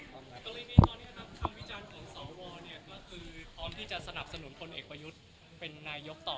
กรณีตอนนี้ครับคำวิจารณ์ของสวก็คือพร้อมที่จะสนับสนุนพลเอกประยุทธ์เป็นนายกต่อ